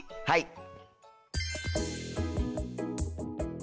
はい。